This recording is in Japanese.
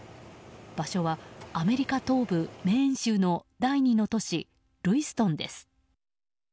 場所はアメリカ東部メーン州の第２の都市ルイストンです。